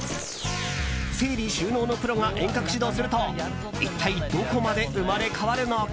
整理収納のプロが遠隔指導すると一体どこまで生まれ変わるのか？